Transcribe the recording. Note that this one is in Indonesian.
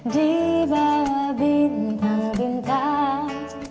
di bawah bintang bintang